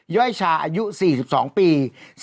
ย่อยชาอายุ๔๒ปี